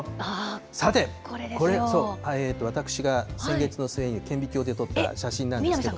さて、私が先月の末に顕微鏡で撮った写真なんですけれども。